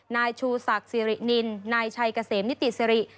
นายชูศักดิ์สิรินินนายชัยเกษมนิติสิริ